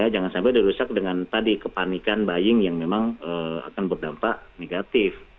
jangan sampai dirusak dengan tadi kepanikan buying yang memang akan berdampak negatif